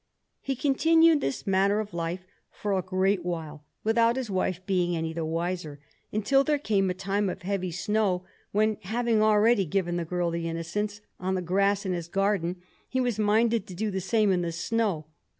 He continued this manner of life for a great while, without his wife being any the wiser, until there came a time of heavy snow, when, having already given the girl the Innocents on the grass in his garden, he was minded to do the same in the snow.